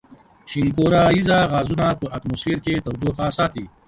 شینکوریزه غازونه په اتموسفیر کې تودوخه ساتي.